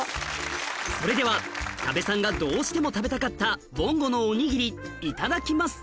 それでは多部さんがどうしても食べたかったぼんごのおにぎりいただきます